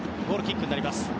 ゴールキックになります。